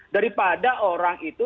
daripada orang itu